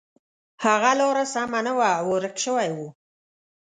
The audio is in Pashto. هغه لاره سمه نه وه او ورک شوی و.